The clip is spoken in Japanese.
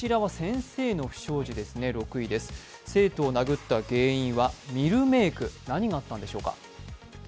生徒を殴った原因はミルメーク、何があったんでしょうか。